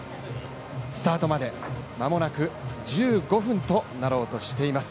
スタートまで、間もなく１５分となろうとしています。